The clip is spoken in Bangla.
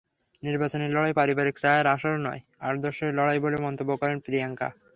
নির্বাচনী লড়াই পারিবারিক চায়ের আসর নয়, আদর্শের লড়াই বলেও মন্তব্য করেন প্রিয়াঙ্কা।